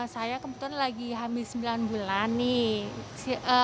saya kebetulan lagi hamil sembilan bulan nih